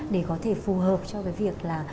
để có thể phù hợp cho cái việc là